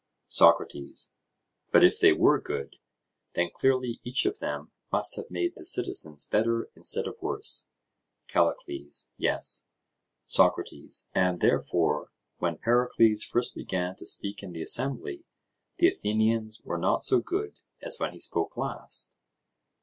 SOCRATES: But if they were good, then clearly each of them must have made the citizens better instead of worse? CALLICLES: Yes. SOCRATES: And, therefore, when Pericles first began to speak in the assembly, the Athenians were not so good as when he spoke last?